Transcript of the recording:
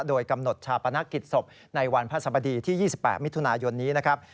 โดยกำหนดชาปนกิจศพในวันพระสบดีที่๒๘มิถุนายนนี้นะครับ